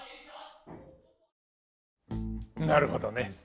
なるほどね。